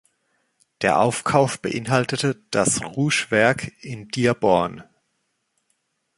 Der Aufkauf beinhaltete das Rouge-Werk in Dearborn.